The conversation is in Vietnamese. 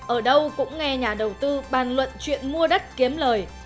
ở đâu cũng nghe nhà đầu tư bàn luận chuyện mua đất kiếm lời